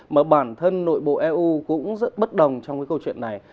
mà bản thân nội bộ eu cũng rất bất đồng trong cái câu chuyện này